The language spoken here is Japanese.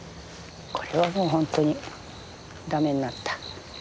これはもう本当に駄目になった。